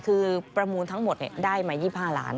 คือประมูลทั้งหมดได้มา๒๕ล้าน